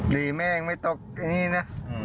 ดีแม่งไม่ตกนี่นะ